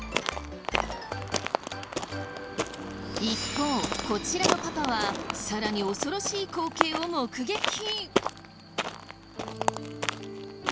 一方こちらのパパはさらに恐ろしい光景を目撃。